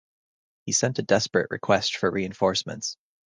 He sent a desperate request for reinforcements.